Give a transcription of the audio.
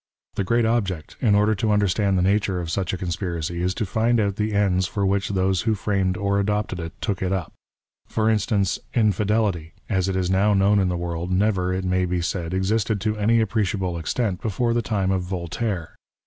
The great object, in order to understand the nature of such a conspiracy, is to find out the ends for which those who framed or adopted it, took it up. Por instance, Infidelity, as it is now known in the world, never, it may be said, existed to any appreciable extent before the time of Yoltaire.